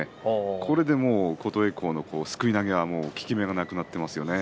これで琴恵光のすくい投げは効き目がなくなっていますよね。